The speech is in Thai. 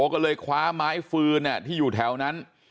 ก็เลยคว้าไม้ฟืนที่อยู่แถวนั้น